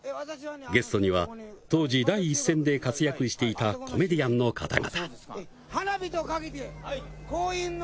当時、第一線で活躍していたコメディアンの方々。